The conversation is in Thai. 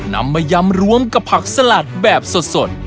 นำมายำรวมกับผักสลัดแบบสด